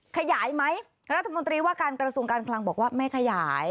ขยายไหมรัฐมนตรีว่าการกระทรวงการคลังบอกว่าไม่ขยาย